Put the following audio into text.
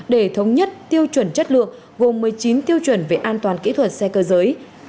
để thống nhất tiêu chuẩn chất lượng gồm một mươi chín tiêu chuẩn về an toàn kỹ thuật xe cơ giới